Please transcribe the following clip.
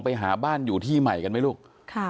ไปหาบ้านอยู่ที่ใหม่กันไหมลูก